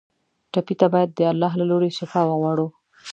ټپي ته باید د الله له لورې شفا وغواړو.